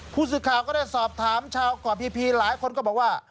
ผู้สื่อข่าวก็ได้สอบถามชาวเกาะพีหลายคนก็บอกว่า